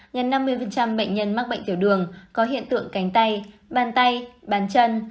ngân năm mươi bệnh nhân mắc bệnh tiểu đường có hiện tượng cánh tay bàn tay bàn chân